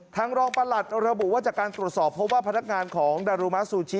รองประหลัดระบุว่าจากการตรวจสอบเพราะว่าพนักงานของดารุมะซูชิ